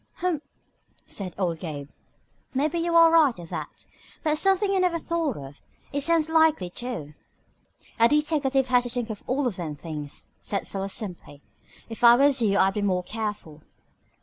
"Humph!" said old Gabe. "Maybe you are right, at that. That's something I never thought of. It sounds likely, too." "A deteckative has to think of all them things," said Philo simply. "If I was you I'd be more careful."